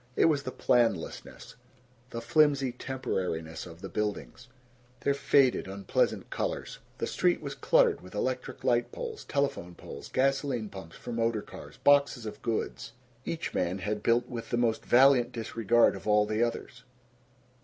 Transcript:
It was the planlessness, the flimsy temporariness of the buildings, their faded unpleasant colors. The street was cluttered with electric light poles, telephone poles, gasoline pumps for motor cars, boxes of goods. Each man had built with the most valiant disregard of all the others.